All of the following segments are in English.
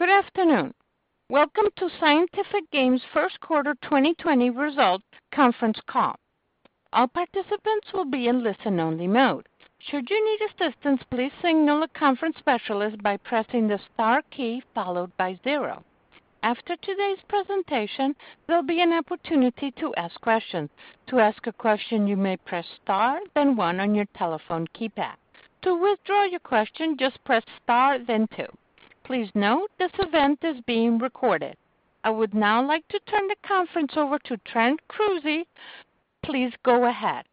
Good afternoon. Welcome to Scientific Games First Quarter 2020 Results Conference Call. All participants will be in listen-only mode. Should you need assistance, please signal a conference specialist by pressing the star key followed by zero. After today's presentation, there'll be an opportunity to ask questions. To ask a question, you may press star, then one on your telephone keypad. To withdraw your question, just press star, then two. Please note, this event is being recorded. I would now like to turn the conference over to Trent Kruse. Please go ahead.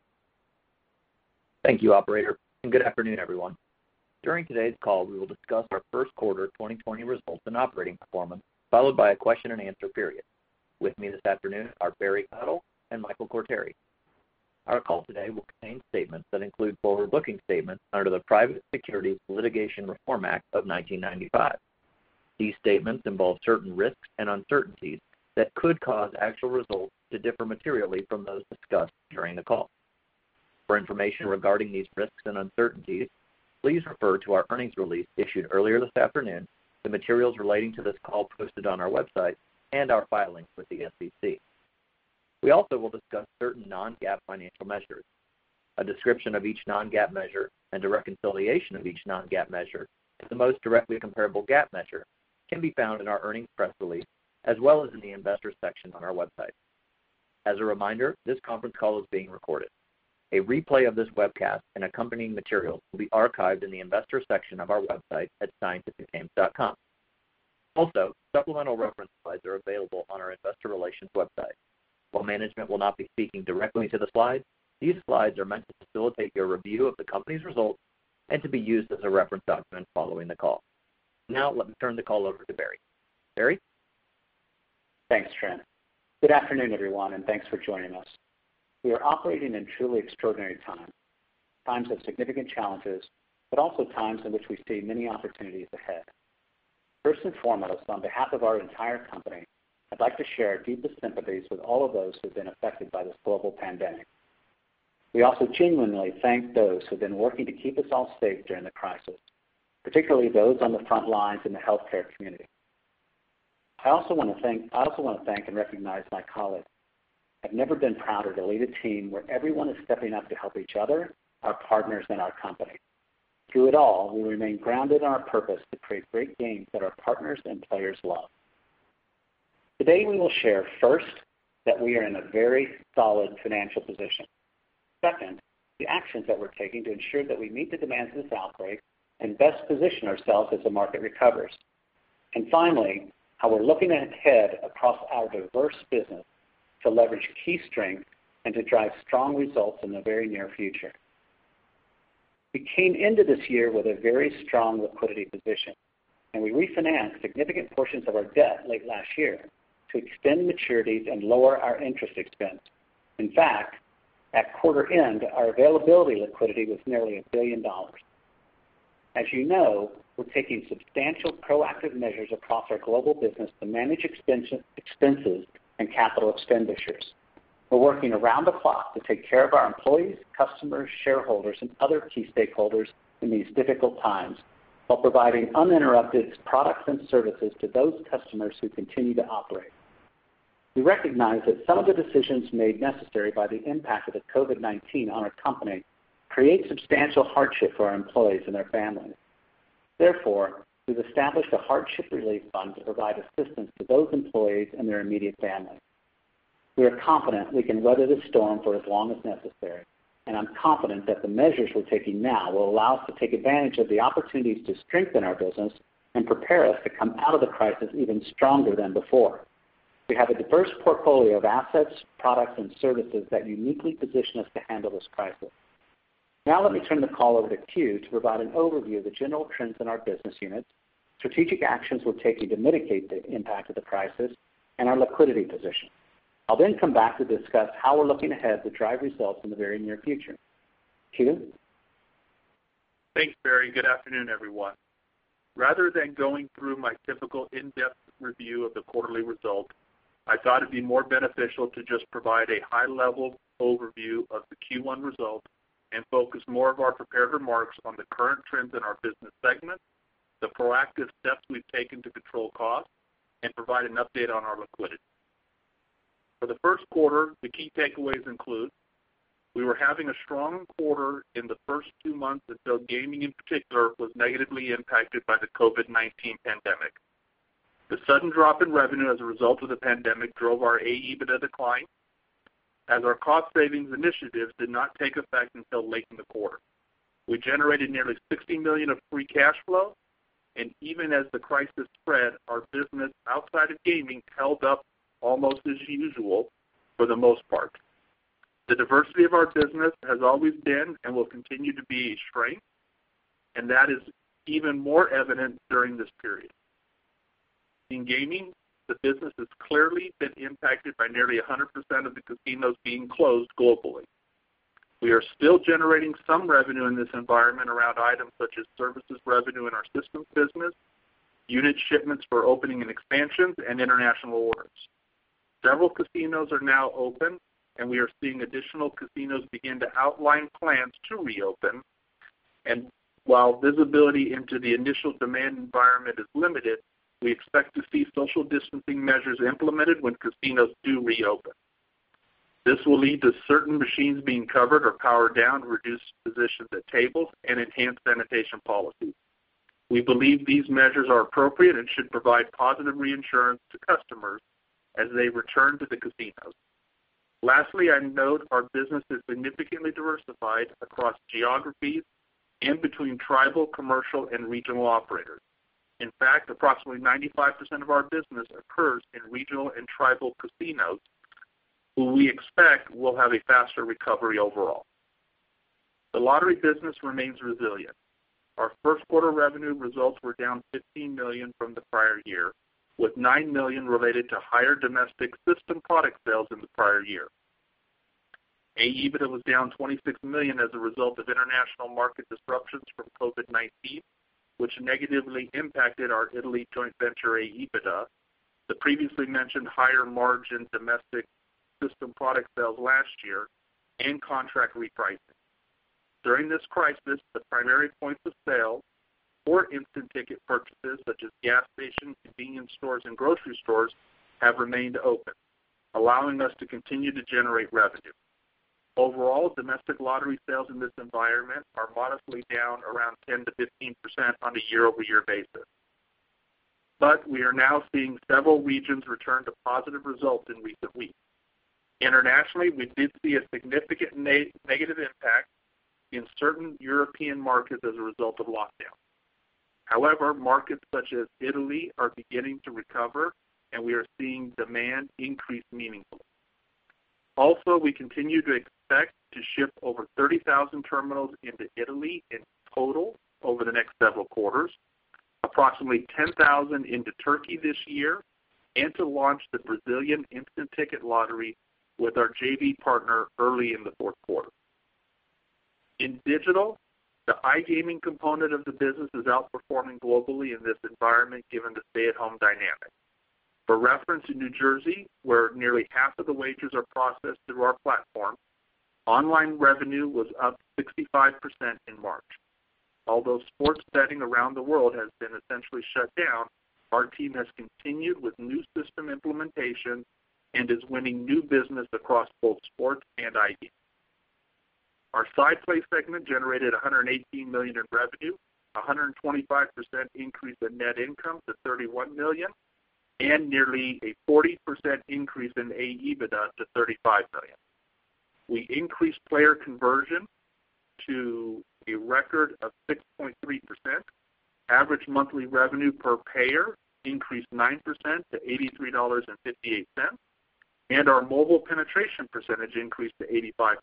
Thank you, operator, and good afternoon, everyone. During today's call, we will discuss our first quarter twenty twenty results and operating performance, followed by a question-and-answer period. With me this afternoon are Barry Cottle and Michael Quartieri. Our call today will contain statements that include forward-looking statements under the Private Securities Litigation Reform Act of 1995. These statements involve certain risks and uncertainties that could cause actual results to differ materially from those discussed during the call. For information regarding these risks and uncertainties, please refer to our earnings release issued earlier this afternoon, the materials relating to this call posted on our website, and our filings with the SEC. We also will discuss certain non-GAAP financial measures. A description of each non-GAAP measure and a reconciliation of each non-GAAP measure to the most directly comparable GAAP measure can be found in our earnings press release, as well as in the Investors section on our website. As a reminder, this conference call is being recorded. A replay of this webcast and accompanying materials will be archived in the Investors section of our website at scientificgames.com. Also, supplemental reference slides are available on our investor relations website. While management will not be speaking directly to the slides, these slides are meant to facilitate your review of the company's results and to be used as a reference document following the call. Now, let me turn the call over to Barry. Barry? Thanks, Trent. Good afternoon, everyone, and thanks for joining us. We are operating in truly extraordinary times. Times of significant challenges, but also times in which we see many opportunities ahead. First and foremost, on behalf of our entire company, I'd like to share our deepest sympathies with all of those who have been affected by this global pandemic. We also genuinely thank those who have been working to keep us all safe during the crisis, particularly those on the front lines in the healthcare community. I also wanna thank and recognize my colleagues. I've never been prouder to lead a team where everyone is stepping up to help each other, our partners, and our company. Through it all, we remain grounded in our purpose to create great games that our partners and players love. Today, we will share, first, that we are in a very solid financial position. Second, the actions that we're taking to ensure that we meet the demands of this outbreak and best position ourselves as the market recovers. And finally, how we're looking ahead across our diverse business to leverage key strengths and to drive strong results in the very near future. We came into this year with a very strong liquidity position, and we refinanced significant portions of our debt late last year to extend maturities and lower our interest expense. In fact, at quarter end, our available liquidity was nearly $1 billion. As you know, we're taking substantial proactive measures across our global business to manage expenses and capital expenditures. We're working around the clock to take care of our employees, customers, shareholders, and other key stakeholders in these difficult times, while providing uninterrupted products and services to those customers who continue to operate. We recognize that some of the decisions made necessary by the impact of the COVID-19 on our company create substantial hardship for our employees and their families. Therefore, we've established a hardship relief fund to provide assistance to those employees and their immediate family. We are confident we can weather this storm for as long as necessary, and I'm confident that the measures we're taking now will allow us to take advantage of the opportunities to strengthen our business and prepare us to come out of the crisis even stronger than before. We have a diverse portfolio of assets, products, and services that uniquely position us to handle this crisis. Now, let me turn the call over to Q to provide an overview of the general trends in our business units, strategic actions we're taking to mitigate the impact of the crisis, and our liquidity position. I'll then come back to discuss how we're looking ahead to drive results in the very near future. Q? Thanks, Barry. Good afternoon, everyone. Rather than going through my typical in-depth review of the quarterly results, I thought it'd be more beneficial to just provide a high-level overview of the Q1 results and focus more of our prepared remarks on the current trends in our business segments, the proactive steps we've taken to control costs, and provide an update on our liquidity. For the first quarter, the key takeaways include: we were having a strong quarter in the first two months until gaming, in particular, was negatively impacted by the COVID-19 pandemic. The sudden drop in revenue as a result of the pandemic drove our AEBITDA decline, as our cost savings initiatives did not take effect until late in the quarter. We generated nearly $60 million of free cash flow, and even as the crisis spread, our business outside of gaming held up almost as usual for the most part. The diversity of our business has always been and will continue to be a strength, and that is even more evident during this period. In gaming, the business has clearly been impacted by nearly 100% of the casinos being closed globally. We are still generating some revenue in this environment around items such as services revenue in our systems business, unit shipments for opening and expansions, and international orders. Several casinos are now open, and we are seeing additional casinos begin to outline plans to reopen. And while visibility into the initial demand environment is limited, we expect to see social distancing measures implemented when casinos do reopen. This will lead to certain machines being covered or powered down, reduced positions at tables, and enhanced sanitation policies. We believe these measures are appropriate and should provide positive reassurance to customers as they return to the casinos. Lastly, I note our business is significantly diversified across geographies and between tribal, commercial, and regional operators. In fact, approximately 95% of our business occurs in regional and tribal casinos, who we expect will have a faster recovery overall. The lottery business remains resilient. Our first quarter revenue results were down $15 million from the prior year, with $9 million related to higher domestic system product sales in the prior year. AEBITDA was down $26 million as a result of international market disruptions from COVID-19, which negatively impacted our Italy joint venture AEBITDA, the previously mentioned higher margin domestic system product sales last year, and contract repricing. During this crisis, the primary points of sale for instant ticket purchases, such as gas stations, convenience stores, and grocery stores, have remained open, allowing us to continue to generate revenue. Overall, domestic lottery sales in this environment are modestly down around 10%-15% on a year-over-year basis. But we are now seeing several regions return to positive results in recent weeks. Internationally, we did see a significant negative impact in certain European markets as a result of lockdown. However, markets such as Italy are beginning to recover, and we are seeing demand increase meaningfully. Also, we continue to expect to ship over 30,000 terminals into Italy in total over the next several quarters, approximately 10,000 into Turkey this year, and to launch the Brazilian instant ticket lottery with our JV partner early in the fourth quarter. In digital, the iGaming component of the business is outperforming globally in this environment, given the stay-at-home dynamic. For reference, in New Jersey, where nearly half of the wagers are processed through our platform, online revenue was up 65% in March. Although sports betting around the world has been essentially shut down, our team has continued with new system implementation and is winning new business across both sports and iGaming. Our SciPlay segment generated $118 million in revenue, a 125% increase in net income to $31 million, and nearly a 40% increase in AEBITDA to $35 million. We increased player conversion to a record of 6.3%. Average monthly revenue per payer increased 9% to $83.58, and our mobile penetration percentage increased to 85%.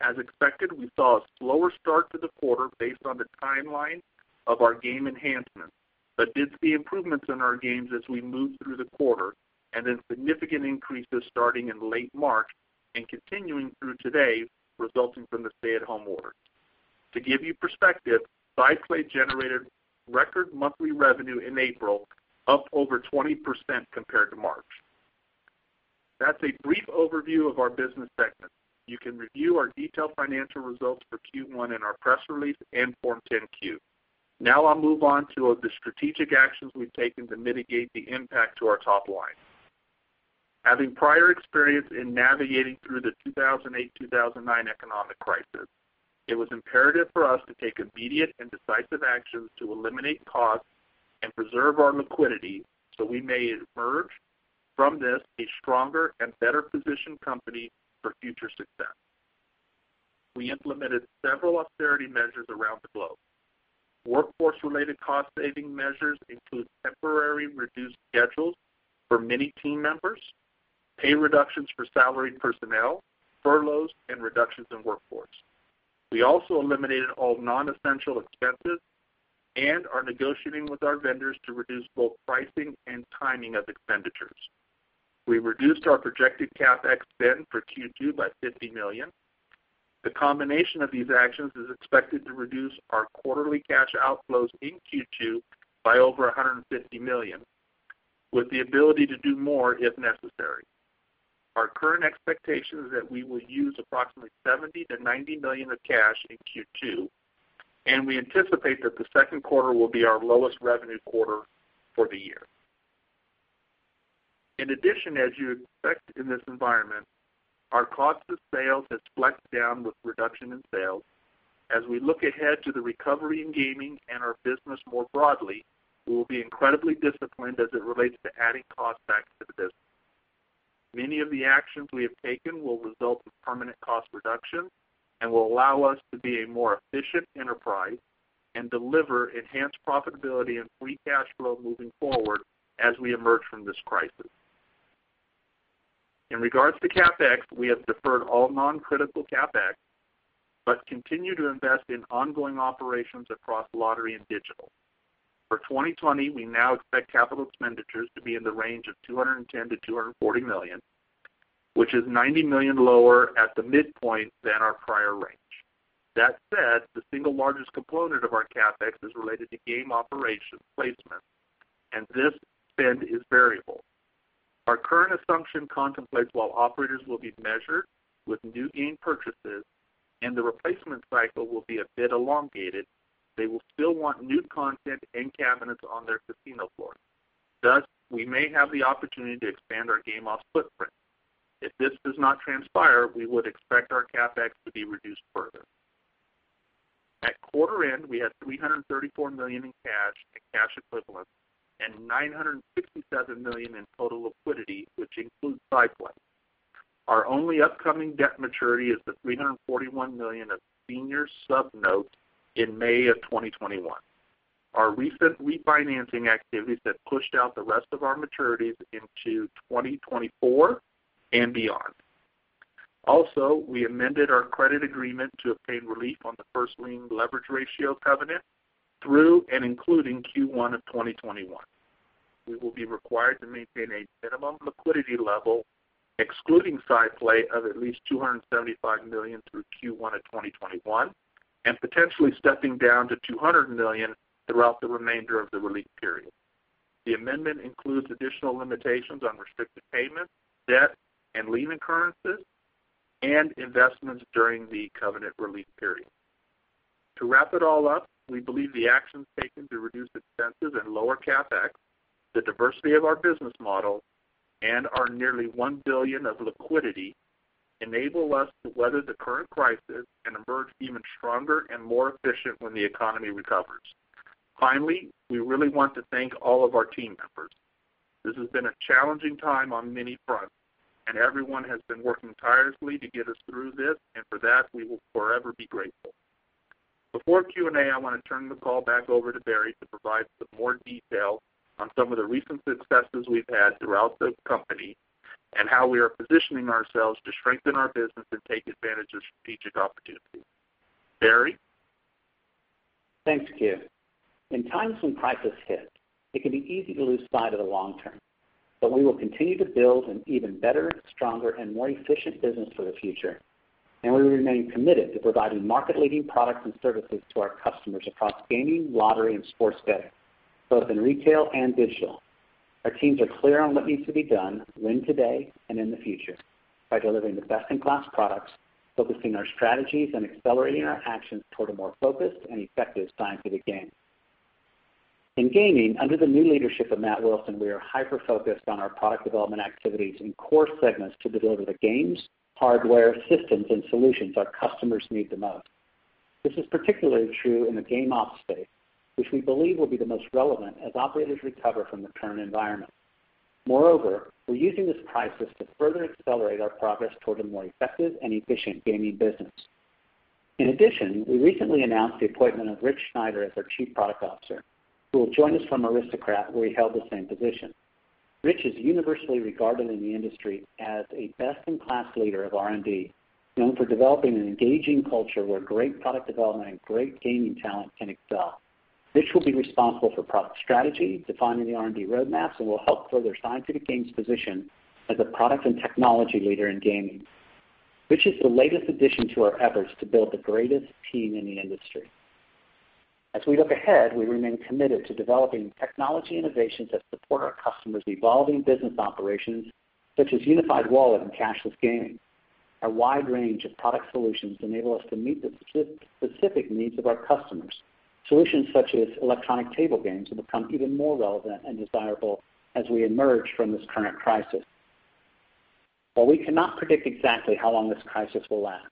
As expected, we saw a slower start to the quarter based on the timeline of our game enhancements, but did see improvements in our games as we moved through the quarter, and then significant increases starting in late March and continuing through today, resulting from the stay-at-home order. To give you perspective, SciPlay generated record monthly revenue in April, up over 20% compared to March. That's a brief overview of our business segments. You can review our detailed financial results for Q1 in our press release and Form 10-Q. Now I'll move on to the strategic actions we've taken to mitigate the impact to our top line. Having prior experience in navigating through the 2008, 2009 economic crisis, it was imperative for us to take immediate and decisive actions to eliminate costs and preserve our liquidity, so we may emerge from this a stronger and better-positioned company for future success. We implemented several austerity measures around the globe. Workforce-related cost-saving measures include temporary reduced schedules for many team members, pay reductions for salaried personnel, furloughs, and reductions in workforce. We also eliminated all non-essential expenses and are negotiating with our vendors to reduce both pricing and timing of expenditures. We reduced our projected CapEx spend for Q2 by $50 million. The combination of these actions is expected to reduce our quarterly cash outflows in Q2 by over $150 million, with the ability to do more if necessary. Our current expectation is that we will use approximately $70-$90 million of cash in Q2, and we anticipate that the second quarter will be our lowest revenue quarter for the year. In addition, as you expect in this environment, our cost of sales has flexed down with reduction in sales. As we look ahead to the recovery in gaming and our business more broadly, we will be incredibly disciplined as it relates to adding costs back to the business. Many of the actions we have taken will result in permanent cost reductions and will allow us to be a more efficient enterprise and deliver enhanced profitability and free cash flow moving forward as we emerge from this crisis. In regards to CapEx, we have deferred all non-critical CapEx, but continue to invest in ongoing operations across lottery and digital. For 2020, we now expect capital expenditures to be in the range of $210 million-$240 million, which is $90 million lower at the midpoint than our prior range. That said, the single largest component of our CapEx is related to game operation placement, and this spend is variable. Our current assumption contemplates while operators will be measured with new game purchases and the replacement cycle will be a bit elongated, they will still want new content and cabinets on their casino floor. Thus, we may have the opportunity to expand our game ops footprint. If this does not transpire, we would expect our CapEx to be reduced further. At quarter end, we had $334 million in cash and cash equivalents, and $967 million in total liquidity, which includes SciPlay. Our only upcoming debt maturity is the $341 million of senior sub notes in May of 2021. Our recent refinancing activities have pushed out the rest of our maturities into 2024 and beyond. Also, we amended our credit agreement to obtain relief on the first lien leverage ratio covenant through and including Q1 of 2021. We will be required to maintain a minimum liquidity level, excluding SciPlay, of at least $275 million through Q1 of 2021, and potentially stepping down to $200 million throughout the remainder of the relief period. The amendment includes additional limitations on restricted payments, debt, and lien occurrences, and investments during the covenant relief period. To wrap it all up, we believe the actions taken to reduce expenses and lower CapEx, the diversity of our business model, and our nearly one billion of liquidity enable us to weather the current crisis and emerge even stronger and more efficient when the economy recovers. Finally, we really want to thank all of our team members. This has been a challenging time on many fronts, and everyone has been working tirelessly to get us through this, and for that, we will forever be grateful. Before Q&A, I want to turn the call back over to Barry to provide some more detail on some of the recent successes we've had throughout the company and how we are positioning ourselves to strengthen our business and take advantage of strategic opportunities. Barry? Thanks, Q. In times when crisis hit, it can be easy to lose sight of the long term, but we will continue to build an even better, stronger, and more efficient business for the future, and we remain committed to providing market-leading products and services to our customers across gaming, lottery, and sports betting, both in retail and digital. Our teams are clear on what needs to be done, win today and in the future, by delivering the best-in-class products, focusing our strategies, and accelerating our actions toward a more focused and effective Scientific Games. In gaming, under the new leadership of Matt Wilson, we are hyper-focused on our product development activities in core segments to deliver the games, hardware, systems, and solutions our customers need the most. This is particularly true in the game ops space, which we believe will be the most relevant as operators recover from the current environment. Moreover, we're using this crisis to further accelerate our progress toward a more effective and efficient gaming business. In addition, we recently announced the appointment of Rich Schneider as our Chief Product Officer, who will join us from Aristocrat, where he held the same position. Rich is universally regarded in the industry as a best-in-class leader of R&D, known for developing an engaging culture where great product development and great gaming talent can excel. Rich will be responsible for product strategy, defining the R&D roadmaps, and will help further Scientific Games' position as a product and technology leader in gaming, which is the latest addition to our efforts to build the greatest team in the industry. As we look ahead, we remain committed to developing technology innovations that support our customers' evolving business operations, such as unified wallet and cashless gaming. A wide range of product solutions enable us to meet the specific needs of our customers. Solutions such as electronic table games will become even more relevant and desirable as we emerge from this current crisis. While we cannot predict exactly how long this crisis will last,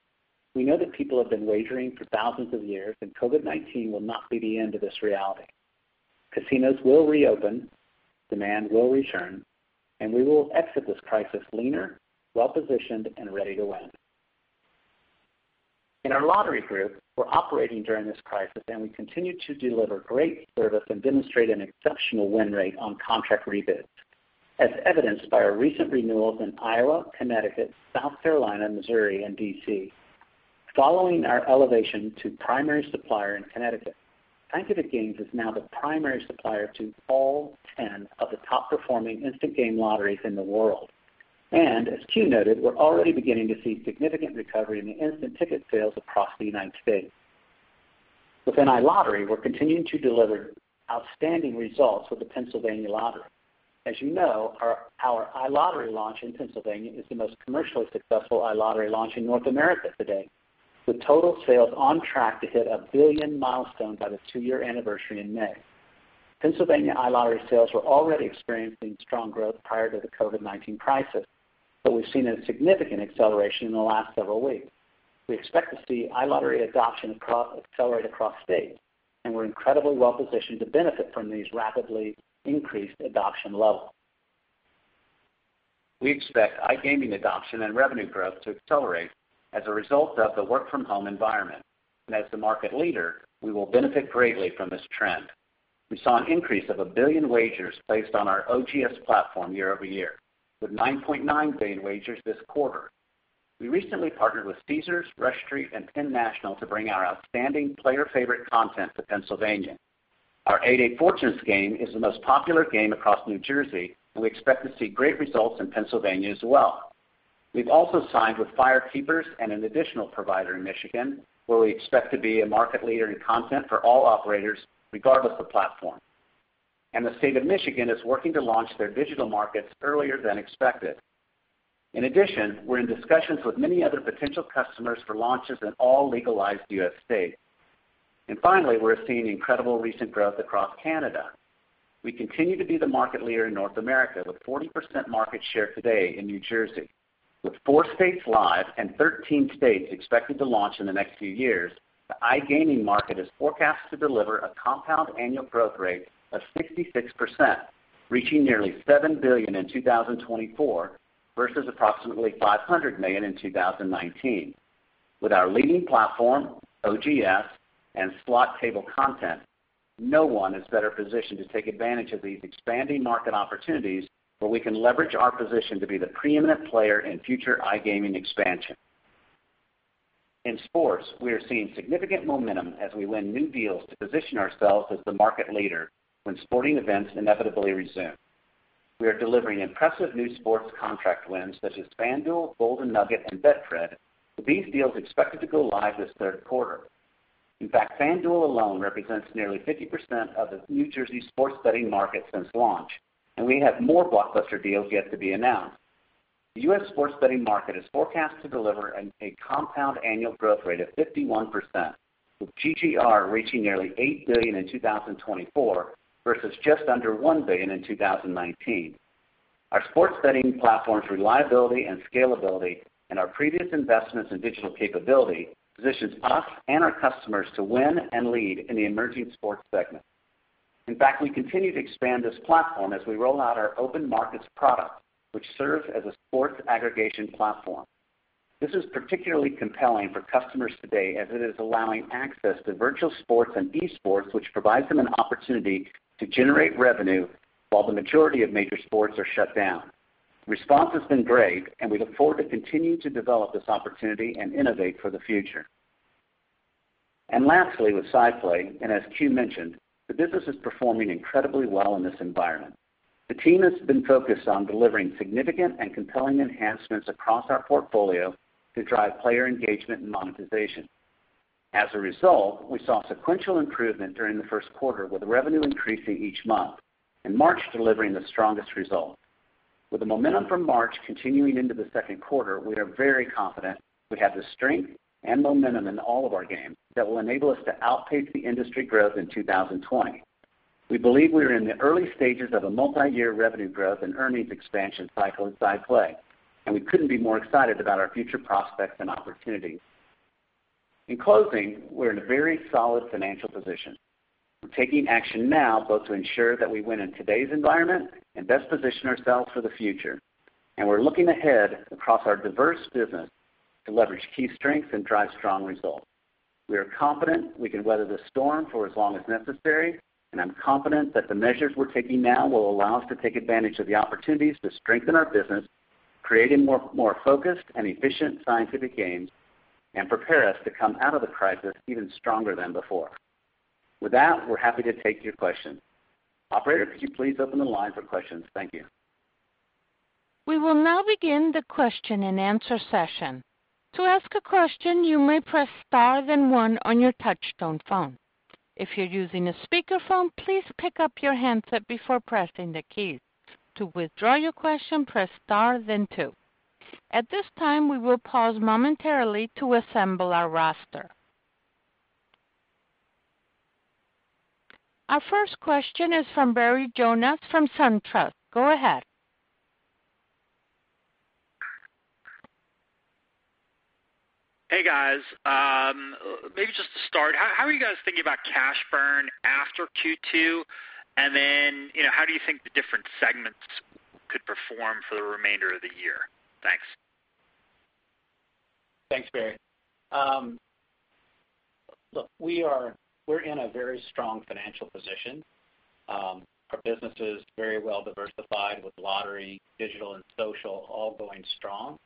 we know that people have been wagering for thousands of years, and COVID-19 will not be the end of this reality. Casinos will reopen, demand will return, and we will exit this crisis leaner, well-positioned, and ready to win. In our lottery group, we're operating during this crisis, and we continue to deliver great service and demonstrate an exceptional win rate on contract rebids, as evidenced by our recent renewals in Iowa, Connecticut, South Carolina, Missouri, and DC. Following our elevation to primary supplier in Connecticut, Scientific Games is now the primary supplier to all 10 of the top-performing instant game lotteries in the world. As Q noted, we're already beginning to see significant recovery in the instant ticket sales across the United States. Within iLottery, we're continuing to deliver outstanding results with the Pennsylvania Lottery. As you know, our iLottery launch in Pennsylvania is the most commercially successful iLottery launch in North America today, with total sales on track to hit a billion milestone by the two-year anniversary in May. Pennsylvania iLottery sales were already experiencing strong growth prior to the COVID-19 crisis, but we've seen a significant acceleration in the last several weeks. We expect to see iLottery adoption accelerate across states, and we're incredibly well positioned to benefit from these rapidly increased adoption levels. We expect iGaming adoption and revenue growth to accelerate as a result of the work-from-home environment, and as the market leader, we will benefit greatly from this trend. We saw an increase of a billion wagers placed on our OGS platform year over year, with 9.9 billion wagers this quarter. We recently partnered with Caesars, Rush Street, and Penn National to bring our outstanding player-favorite content to Pennsylvania. Our 88 Fortunes game is the most popular game across New Jersey, and we expect to see great results in Pennsylvania as well. We've also signed with FireKeepers and an additional provider in Michigan, where we expect to be a market leader in content for all operators, regardless of platform, and the state of Michigan is working to launch their digital markets earlier than expected. In addition, we're in discussions with many other potential customers for launches in all legalized U.S. states. And finally, we're seeing incredible recent growth across Canada. We continue to be the market leader in North America, with 40% market share today in New Jersey. With four states live and 13 states expected to launch in the next few years, the iGaming market is forecast to deliver a compound annual growth rate of 66%, reaching nearly $7 billion in 2024, versus approximately $500 million in 2019. With our leading platform, OGS, and slot table content, no one is better positioned to take advantage of these expanding market opportunities, where we can leverage our position to be the preeminent player in future iGaming expansion. In sports, we are seeing significant momentum as we win new deals to position ourselves as the market leader when sporting events inevitably resume. We are delivering impressive new sports contract wins, such as FanDuel, Golden Nugget, and Betfred, with these deals expected to go live this third quarter. In fact, FanDuel alone represents nearly 50% of the New Jersey sports betting market since launch, and we have more blockbuster deals yet to be announced. The U.S. sports betting market is forecast to deliver a compound annual growth rate of 51%, with GGR reaching nearly 8 billion in 2024, versus just under 1 billion in 2019. Our sports betting platform's reliability and scalability, and our previous investments in digital capability, positions us and our customers to win and lead in the emerging sports segment. In fact, we continue to expand this platform as we roll out our OpenMarket product, which serves as a sports aggregation platform. This is particularly compelling for customers today, as it is allowing access to virtual sports and esports, which provides them an opportunity to generate revenue while the majority of major sports are shut down. Response has been great, and we look forward to continuing to develop this opportunity and innovate for the future. And lastly, with SciPlay, and as Q mentioned, the business is performing incredibly well in this environment. The team has been focused on delivering significant and compelling enhancements across our portfolio to drive player engagement and monetization. As a result, we saw sequential improvement during the first quarter, with revenue increasing each month, and March delivering the strongest result. With the momentum from March continuing into the second quarter, we are very confident we have the strength and momentum in all of our games that will enable us to outpace the industry growth in 2020. We believe we are in the early stages of a multiyear revenue growth and earnings expansion cycle at SciPlay, and we couldn't be more excited about our future prospects and opportunities. In closing, we're in a very solid financial position. We're taking action now, both to ensure that we win in today's environment and best position ourselves for the future, and we're looking ahead across our diverse business to leverage key strengths and drive strong results. We are confident we can weather this storm for as long as necessary, and I'm confident that the measures we're taking now will allow us to take advantage of the opportunities to strengthen our business, creating more focused and efficient Scientific Games, and prepare us to come out of the crisis even stronger than before. With that, we're happy to take your questions. Operator, could you please open the line for questions? Thank you. We will now begin the question-and-answer session. To ask a question, you may press star, then one on your touchtone phone. If you're using a speakerphone, please pick up your handset before pressing the keys. To withdraw your question, press star, then two. At this time, we will pause momentarily to assemble our roster. Our first question is from Barry Jonas from SunTrust. Go ahead. Hey, guys. Maybe just to start, how are you guys thinking about cash burn after Q2? And then, you know, how do you think the different segments could perform for the remainder of the year? Thanks. Thanks, Barry. Look, we're in a very strong financial position. Our business is very well diversified, with lottery, digital, and social all going strong.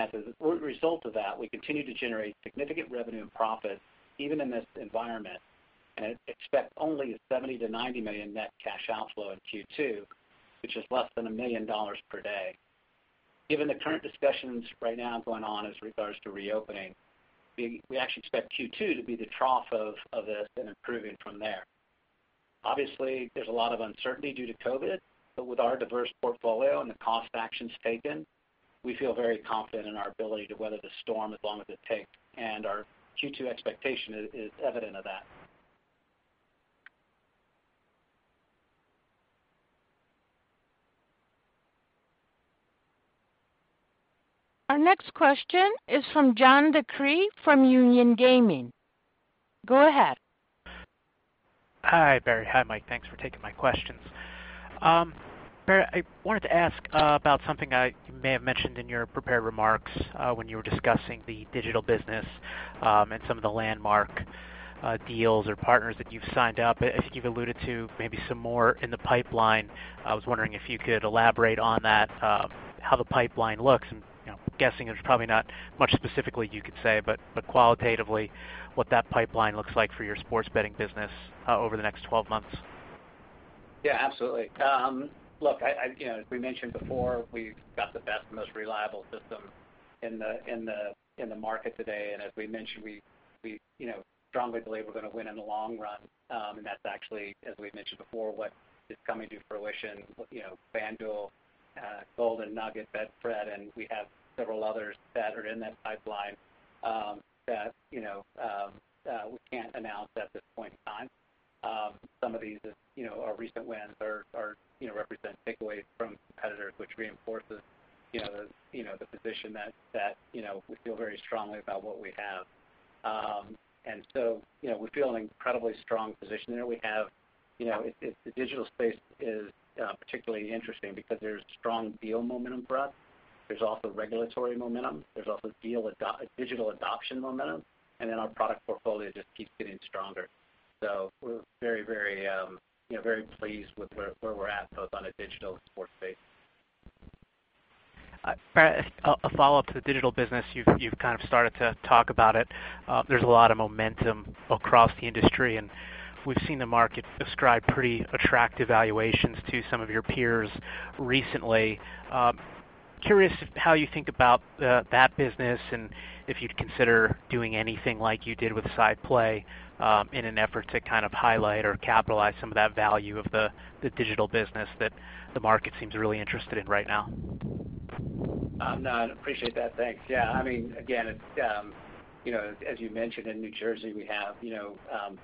And as a result of that, we continue to generate significant revenue and profit, even in this environment, and expect only $70 million-$90 million net cash outflow in Q2, which is less than a million dollars per day. Given the current discussions right now going on as regards to reopening, we actually expect Q2 to be the trough of this and improving from there. Obviously, there's a lot of uncertainty due to COVID, but with our diverse portfolio and the cost actions taken, we feel very confident in our ability to weather the storm as long as it takes, and our Q2 expectation is evident of that. Our next question is from John DeCree from Union Gaming. Go ahead. Hi, Barry. Hi, Michael. Thanks for taking my questions. Barry, I wanted to ask about something you may have mentioned in your prepared remarks, when you were discussing the digital business, and some of the landmark deals or partners that you've signed up. I think you've alluded to maybe some more in the pipeline. I was wondering if you could elaborate on that, how the pipeline looks, and, you know, guessing there's probably not much specifically you could say, but qualitatively, what that pipeline looks like for your sports betting business, over the next twelve months?... Yeah, absolutely. Look, you know, as we mentioned before, we've got the best, most reliable system in the market today, and as we mentioned, we strongly believe we're gonna win in the long run, and that's actually, as we've mentioned before, what is coming to fruition, you know, FanDuel, Golden Nugget, Betfred, and we have several others that are in that pipeline, that you know we can't announce at this point in time. Some of these, you know, our recent wins are you know represent takeaways from competitors, which reinforces, you know, the position that you know we feel very strongly about what we have, and so, you know, we feel an incredibly strong position there. We have, you know, the digital space is particularly interesting because there's strong deal momentum for us. There's also regulatory momentum. There's also digital adoption momentum, and then our product portfolio just keeps getting stronger. So we're very, very, you know, very pleased with where we're at, both on a digital and sports base. A follow-up to the digital business. You've kind of started to talk about it. There's a lot of momentum across the industry, and we've seen the market ascribe pretty attractive valuations to some of your peers recently. Curious how you think about that business, and if you'd consider doing anything like you did with SciPlay, in an effort to kind of highlight or capitalize some of that value of the digital business that the market seems really interested in right now? Now, I appreciate that. Thanks. Yeah, I mean, again, it's, you know, as you mentioned, in New Jersey, we have, you know,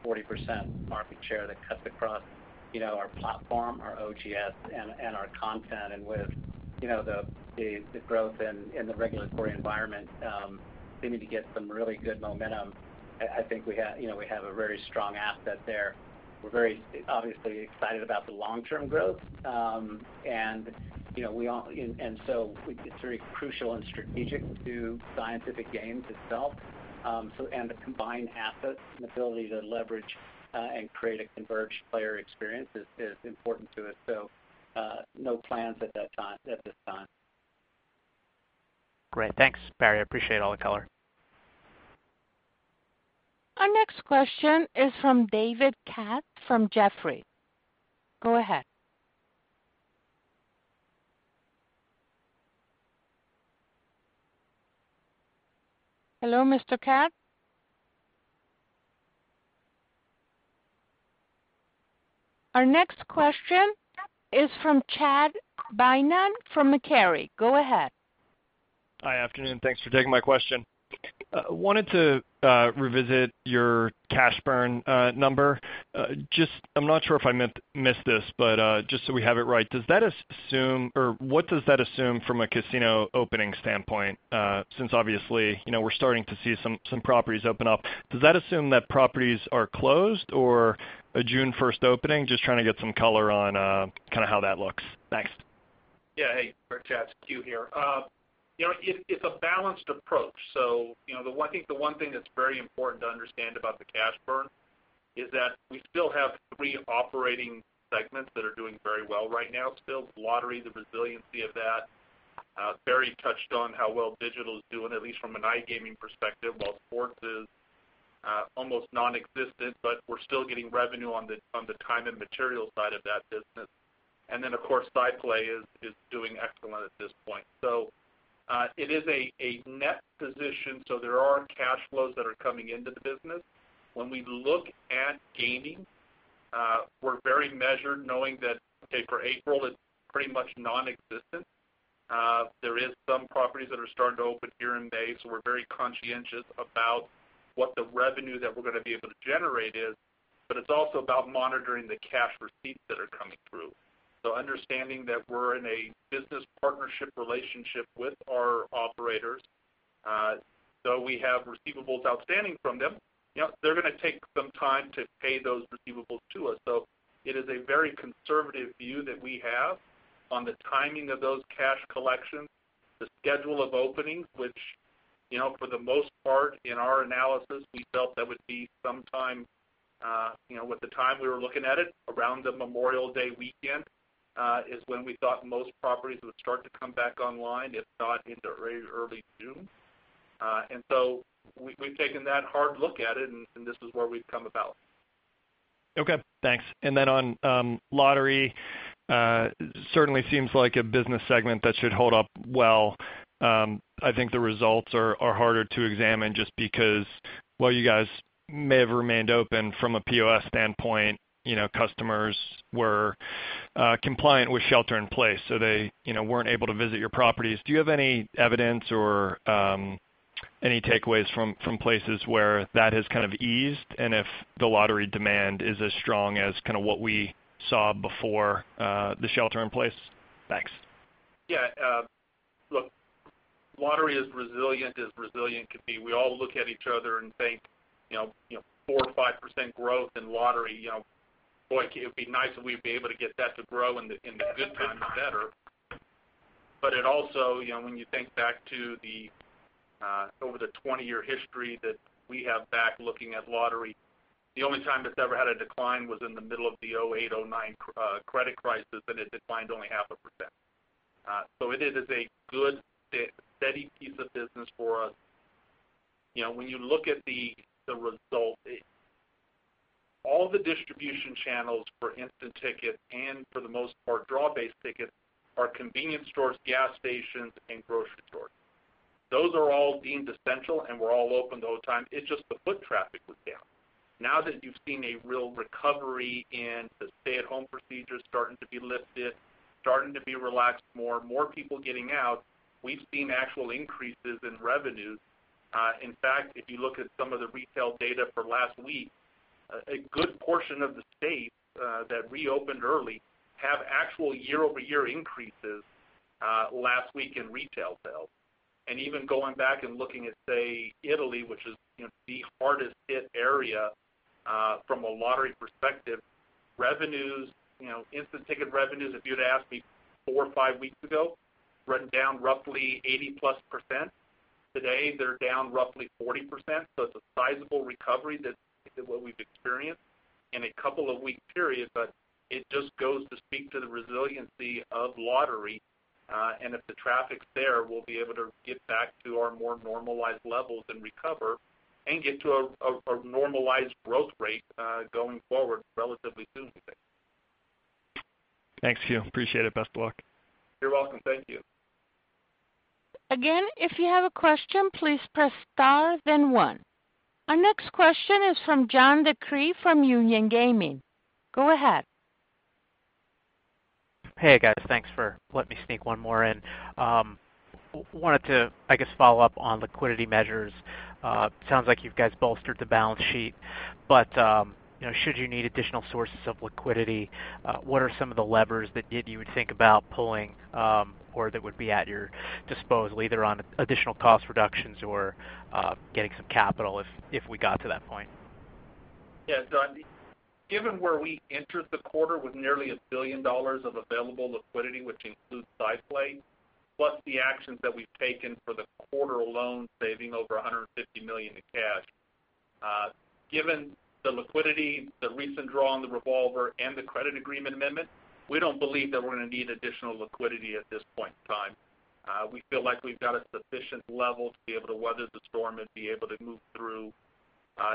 40% market share that cuts across, you know, our platform, our OGS, and our content. And with, you know, the growth in the regulatory environment seeming to get some really good momentum, I think we have, you know, a very strong asset there. We're very, obviously, excited about the long-term growth. And, you know, so it's very crucial and strategic to Scientific Games itself. And the combined assets and ability to leverage and create a converged player experience is important to us. So, no plans at that time, at this time. Great. Thanks, Barry. I appreciate all the color. Our next question is from David Katz from Jefferies. Go ahead. Hello, Mr. Katz? Our next question is from Chad Beynon from Macquarie. Go ahead. Hi, afternoon, thanks for taking my question. Wanted to revisit your cash burn number. Just I'm not sure if I missed this, but just so we have it right, does that assume or what does that assume from a casino opening standpoint? Since obviously, you know, we're starting to see some properties open up. Does that assume that properties are closed or a June first opening? Just trying to get some color on kind of how that looks. Thanks. Yeah, hey, Chad, it's Quartieri here. You know, it, it's a balanced approach, so, you know, the one thing that's very important to understand about the cash burn is that we still have three operating segments that are doing very well right now. Still, lottery, the resiliency of that. Barry touched on how well digital is doing, at least from an iGaming perspective, while sports is almost non-existent, but we're still getting revenue on the time and material side of that business. And then, of course, SciPlay is doing excellent at this point. So, it is a net position, so there are cash flows that are coming into the business. When we look at gaming, we're very measured, knowing that, okay, for April, it's pretty much non-existent. There is some properties that are starting to open here and there, so we're very conscientious about what the revenue that we're gonna be able to generate is, but it's also about monitoring the cash receipts that are coming through. So understanding that we're in a business partnership relationship with our operators, so we have receivables outstanding from them, you know, they're gonna take some time to pay those receivables to us. So it is a very conservative view that we have on the timing of those cash collections, the schedule of openings, which, you know, for the most part, in our analysis, we felt that would be sometime, you know, with the time we were looking at it, around the Memorial Day weekend, is when we thought most properties would start to come back online, if not into very early June. And so we've taken that hard look at it, and this is where we've come about. Okay, thanks. And then on lottery, certainly seems like a business segment that should hold up well. I think the results are harder to examine just because while you guys may have remained open from a POS standpoint, you know, customers were compliant with shelter in place, so they, you know, weren't able to visit your properties. Do you have any evidence or any takeaways from places where that has kind of eased, and if the lottery demand is as strong as kind of what we saw before the shelter in place? Thanks. Yeah, look, lottery is resilient as resilient could be. We all look at each other and think, you know, 4-5% growth in lottery, you know, boy, it'd be nice if we'd be able to get that to grow in the good times better. But it also, you know, when you think back to the over the 20-year history that we have back looking at lottery, the only time this ever had a decline was in the middle of the 2008, 2009 credit crisis, and it declined only 0.5%. So it is a good steady piece of business for us. You know, when you look at the result, it all the distribution channels for instant ticket and for the most part, draw-based tickets, are convenience stores, gas stations, and grocery stores. Those are all deemed essential, and were all open the whole time. It's just the foot traffic was down. Now that you've seen a real recovery and the stay-at-home procedures starting to be lifted, starting to be relaxed more, more people getting out, we've seen actual increases in revenues. In fact, if you look at some of the retail data for last week, a good portion of the states that reopened early have actual year-over-year increases last week in retail sales. Even going back and looking at, say, Italy, which is, you know, the hardest hit area from a lottery perspective, revenues, you know, instant ticket revenues, if you'd asked me four or five weeks ago, were down roughly 80% plus. Today, they're down roughly 40%, so it's a sizable recovery than what we've experienced in a couple of weeks period, but it just goes to speak to the resiliency of lottery, and if the traffic's there, we'll be able to get back to our more normalized levels and recover, and get to a normalized growth rate going forward relatively soon, we think. Thanks, Alot. Appreciate it. Best of luck. You're welcome. Thank you. Again, if you have a question, please press star, then one. Our next question is from John DeCree from Union Gaming. Go ahead. Hey, guys. Thanks for letting me sneak one more in. Wanted to, I guess, follow up on liquidity measures. Sounds like you guys bolstered the balance sheet, but, you know, should you need additional sources of liquidity, what are some of the levers that you would think about pulling, or that would be at your disposal, either on additional cost reductions or, getting some capital if we got to that point? Yeah, John, given where we entered the quarter with nearly $1 billion of available liquidity, which includes SciPlay, plus the actions that we've taken for the quarter alone, saving over $150 million in cash. Given the liquidity, the recent draw on the revolver, and the credit agreement amendment, we don't believe that we're gonna need additional liquidity at this point in time. We feel like we've got a sufficient level to be able to weather the storm and be able to move through,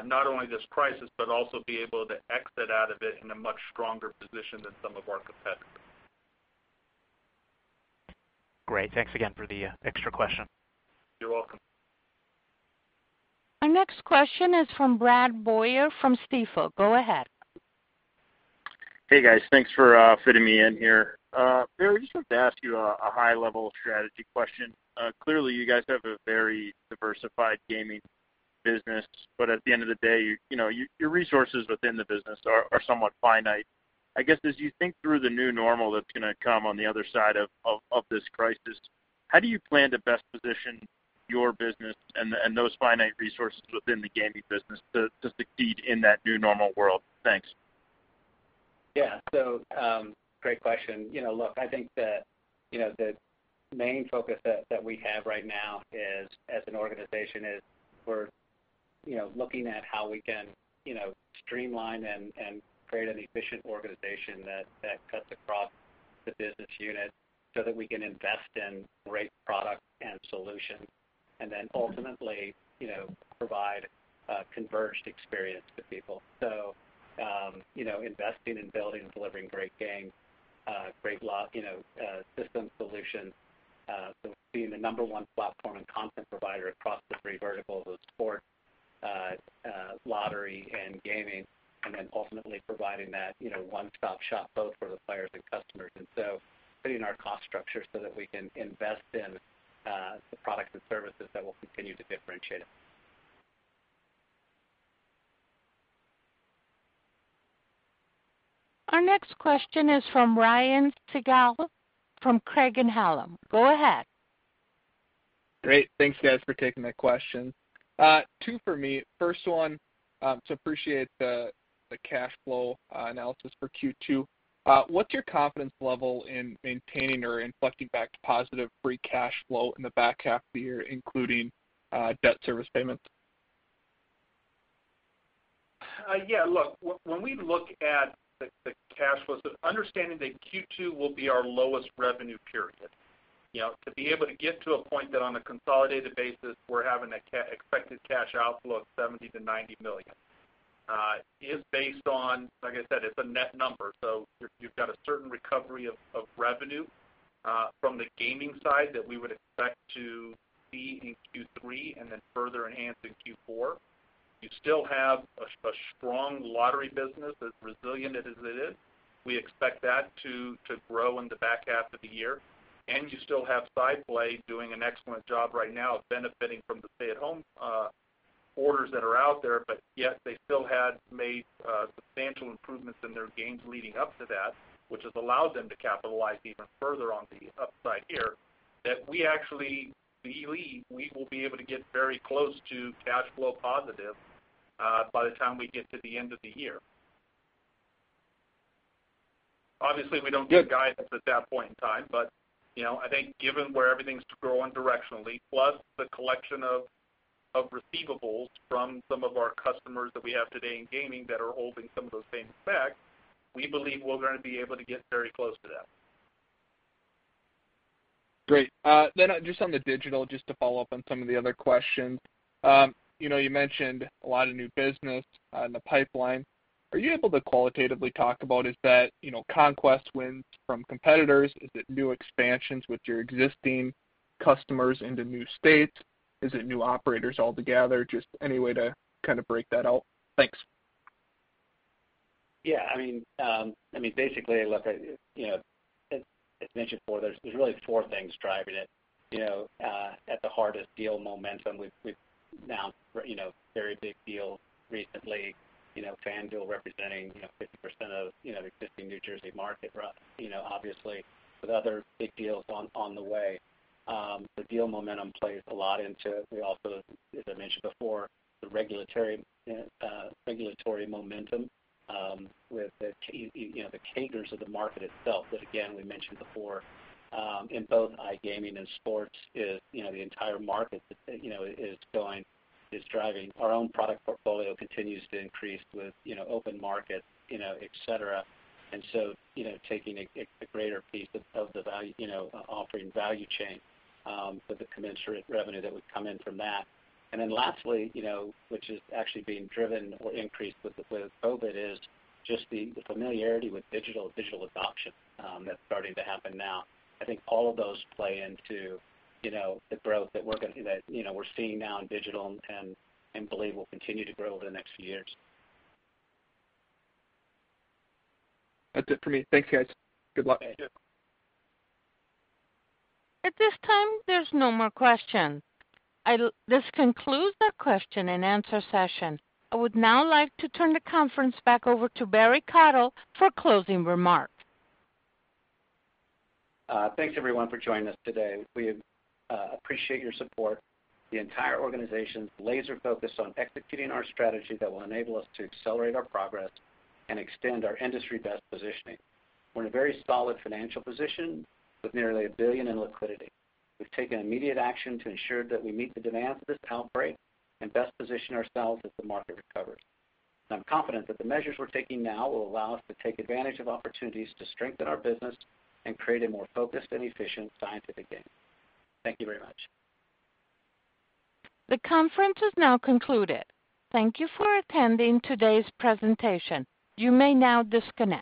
not only this crisis, but also be able to exit out of it in a much stronger position than some of our competitors. Great. Thanks again for the extra question. You're welcome. Our next question is from Brad Boyer from Stifel. Go ahead. Hey, guys. Thanks for fitting me in here. Barry, I just wanted to ask you a high level strategy question. Clearly, you guys have a very diversified gaming business, but at the end of the day, you know, your resources within the business are somewhat finite. I guess, as you think through the new normal that's gonna come on the other side of this crisis, how do you plan to best position your business and those finite resources within the gaming business to succeed in that new normal world? Thanks. Yeah. So, great question. You know, look, I think the main focus that we have right now is, as an organization, is we're you know, looking at how we can you know, streamline and create an efficient organization that cuts across the business unit, so that we can invest in great product and solutions, and then ultimately you know, provide a converged experience to people. So, you know, investing in building and delivering great games, great you know, system solutions. So being the number one platform and content provider across the three verticals of sport, lottery, and gaming, and then ultimately providing that you know, one-stop shop, both for the players and customers. And so putting our cost structure so that we can invest in the products and services that will continue to differentiate us. Our next question is from Ryan Sigdahl from Craig-Hallum. Go ahead. Great. Thanks, guys, for taking my question. Two for me. First one, so appreciate the cash flow analysis for Q2. What's your confidence level in maintaining or inflecting back to positive free cash flow in the back half of the year, including debt service payments? Yeah, look, when we look at the cash flows, so understanding that Q2 will be our lowest revenue period, you know, to be able to get to a point that on a consolidated basis, we're having an expected cash outflow of $70 million-$90 million is based on, like I said, it's a net number. So you've got a certain recovery of revenue from the gaming side that we would expect to see in Q3, and then further enhance in Q4. You still have a strong lottery business, as resilient as it is. We expect that to grow in the back half of the year. You still have SciPlay doing an excellent job right now of benefiting from the stay-at-home orders that are out there, but yet they still had made substantial improvements in their games leading up to that, which has allowed them to capitalize even further on the upside here. We actually believe we will be able to get very close to cash flow positive by the time we get to the end of the year. Obviously, we don't give guidance at that point in time, but you know, I think given where everything's going directionally, plus the collection of receivables from some of our customers that we have today in gaming that are holding some of those things back, we believe we're gonna be able to get very close to that. Great. Then just on the digital, just to follow up on some of the other questions. You know, you mentioned a lot of new business in the pipeline. Are you able to qualitatively talk about, is that, you know, conquest wins from competitors? Is it new expansions with your existing customers into new states? Is it new operators altogether? Just any way to kind of break that out? Thanks. Yeah, I mean, I mean, basically, look, I, you know, as mentioned before, there's really four things driving it. You know, at the heart of deal momentum, we've now, you know, very big deal recently, you know, FanDuel representing, you know, 50% of, you know, the existing New Jersey market. You know, obviously, with other big deals on the way. The deal momentum plays a lot into it. We also, as I mentioned before, the regulatory regulatory momentum, um, with the, you know, the CAGRs of the market itself. But again, we mentioned before, in both iGaming and sports, is, you know, the entire market, you know, is driving. Our own product portfolio continues to increase with, you know, Open Markets, you know, et cetera. And so, you know, taking a greater piece of the value, you know, offering value chain with the commensurate revenue that would come in from that. And then lastly, you know, which is actually being driven or increased with COVID, is just the familiarity with digital adoption that's starting to happen now. I think all of those play into, you know, the growth that, you know, we're seeing now in digital and believe will continue to grow over the next few years. That's it for me. Thanks, guys. Good luck. Thank you. At this time, there's no more question. This concludes the question-and-answer session. I would now like to turn the conference back over to Barry Cottle for closing remarks. Thanks, everyone, for joining us today. We appreciate your support. The entire organization's laser focused on executing our strategy that will enable us to accelerate our progress and extend our industry-best positioning. We're in a very solid financial position with nearly $1 billion in liquidity. We've taken immediate action to ensure that we meet the demands of this outbreak and best position ourselves as the market recovers. And I'm confident that the measures we're taking now will allow us to take advantage of opportunities to strengthen our business and create a more focused and efficient Scientific Games. Thank you very much. The conference is now concluded. Thank you for attending today's presentation. You may now disconnect.